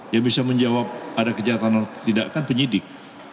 yang bisa menjawab ada kejahatan atau tidak kan penyidik